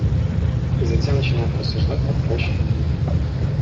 И затем начинают рассуждать о прочном мире.